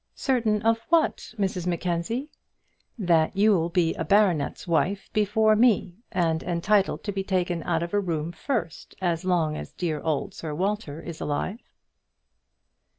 "Certain of what, Mrs Mackenzie?" "That you'll be a baronet's wife before me, and entitled to be taken out of a room first as long as dear old Sir Walter is alive."